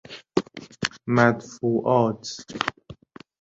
مدفوعات